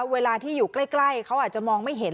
เวลาที่อยู่ใกล้เขาอาจจะมองไม่เห็น